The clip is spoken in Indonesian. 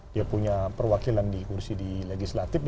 dia punya perwakilan di kursi di legislatif